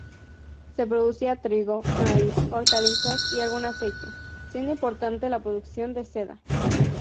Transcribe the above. Se producía trigo, maíz, hortalizas y algún aceite, siendo importante la producción de seda.